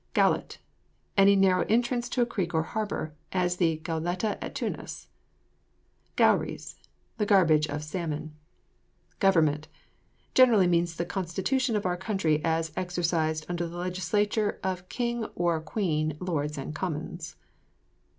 GOULET. Any narrow entrance to a creek or harbour, as the goletta at Tunis. GOURIES. The garbage of salmon. GOVERNMENT. Generally means the constitution of our country as exercised under the legislature of king or queen, lords, and commons.